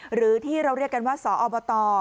หรือที่เราเรียกกันว่าสอบต